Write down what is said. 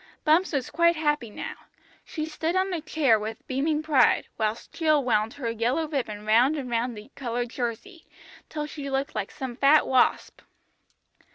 Bumps was quite happy now. She stood on a chair with beaming pride, whilst Jill wound her yellow ribbon round and round the coloured jersey, till she looked like some fat wasp.